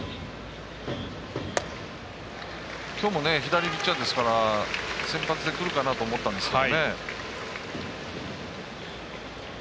きょうも左ピッチャーなので先発でくるかなと思ったんですが。